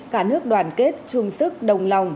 cả nước đoàn kết chung sức đồng lòng